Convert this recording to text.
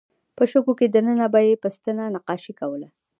په شګو کې دننه به یې په ستنه نقاشۍ کولې.